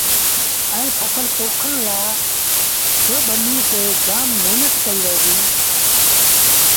ايئي ڦسل پوکڻ لآ با ٻنيٚ تي جآم مهنت ڪرڻيٚ پئي ديٚ۔